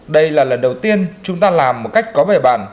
đây là lần đầu tiên chúng ta làm một cách có bài bản